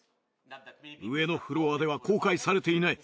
上のフロアでは公開されていない